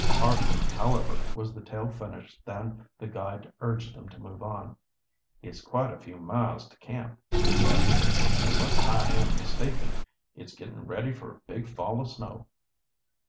Hardly, however, was the tale finished than the guide urged them to move on. "It's quite a few miles to camp," he said. "And, unless I am mistaken, it's getting ready for a big fall o' snow."